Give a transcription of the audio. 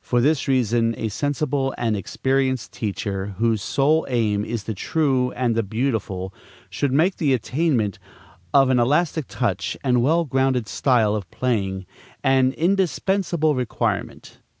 For this reason, a sensible and experienced teacher, whose sole aim is the true and the beautiful, should make the attainment of an elastic touch and well grounded style of playing an indispensable requirement.